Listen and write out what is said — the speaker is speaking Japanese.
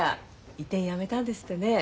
移転やめたんですってね。